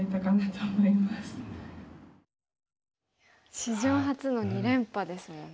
史上初の２連覇ですもんね。